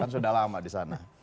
sudah lama di sana